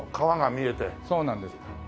そうなんです。